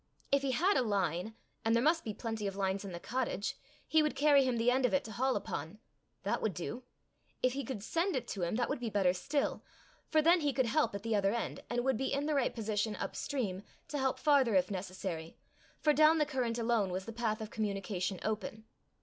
If he had a line, and there must be plenty of lines in the cottage, he would carry him the end of it to haul upon that would do. If he could send it to him that would be better still, for then he could help at the other end, and would be in the right position, up stream, to help farther, if necessary, for down the current alone was the path of communication open.